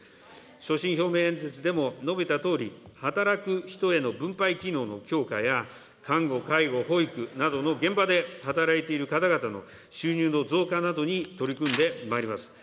所信表明演説でも述べたとおり、働く人への分配機能の強化や看護、介護、保育などの現場で働いている方々の収入の増加などに取り組んでまいります。